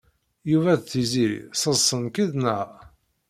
Yuba d Tiziri sseḍṣen-k-id, naɣ?